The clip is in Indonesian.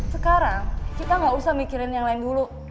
sekarang kita gak usah mikirin yang lain dulu